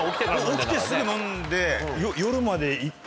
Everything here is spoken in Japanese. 起きてすぐ飲んで。